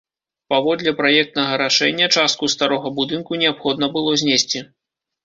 Паводле праектнага рашэння, частку старога будынку неабходна было знесці.